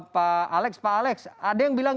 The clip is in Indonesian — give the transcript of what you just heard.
pak alex pak alex ada yang bilang